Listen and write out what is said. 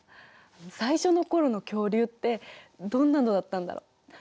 最初の頃の恐竜ってどんなのだったんだろ。